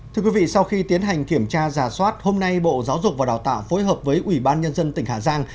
thưa quý vị sau khi tiến hành kiểm tra giả soát hôm nay bộ giáo dục và đào tạo phối hợp với ủy ban nhân dân tỉnh hà giang